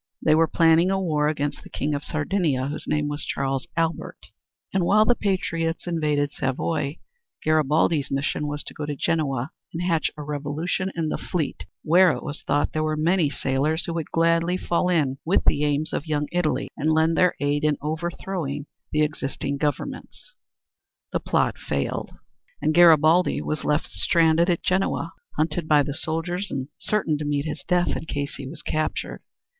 They were planning a war against the King of Sardinia whose name was Charles Albert, and while the patriots invaded Savoy Garibaldi's mission was to go to Genoa and hatch a revolution in the fleet, where, it was thought, there were many sailors who would gladly fall in with the aims of Young Italy and lend their aid in overthrowing the existing governments. The plot failed and Garibaldi was left stranded at Genoa, hunted by the soldiers and certain to meet death in case he was captured.